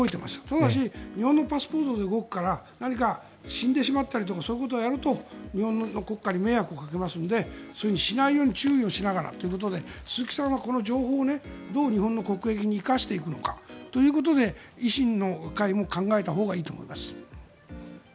ただし日本のパスポートで動くから死んでしまったりとかそういうことをやると日本の国家に迷惑をかけますのでそういうふうにしないように注意をしながらということで鈴木さんは、この情報をどう日本の国益に生かしていくのかということで維新の会も考えたほうがいいと思います。